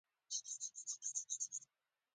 د ګوند د منشي د مالي فساد په اړه خبرونه خپاره شول.